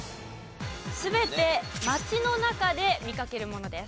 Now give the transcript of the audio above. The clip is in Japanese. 全て街の中で見かけるものです。